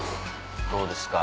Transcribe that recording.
どうですか？